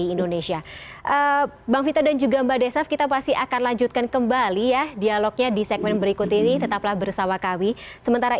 itu di seberang negara